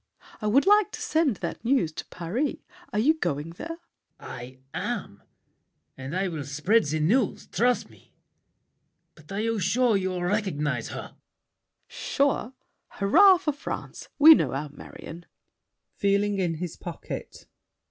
I would like to send That news to Paris. Are you going there? LAFFEMAS. I am, and I will spread the news, trust me! But are you sure you recognize her? SAVERNY. Sure? Hurrah for France! We know our Marion. [Feeling in his pocket.